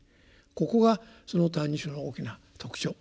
ここがその「歎異抄」の大きな特徴。